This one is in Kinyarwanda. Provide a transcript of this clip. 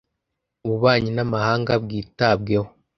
ububanyi n’amahanga byitabweho